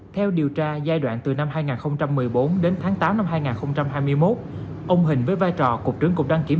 theo điều tra giai đoạn từ năm hai nghìn một mươi bốn đến tháng tám năm hai nghìn hai mươi một ông hình với vai trò cục trưởng cục đăng kiểm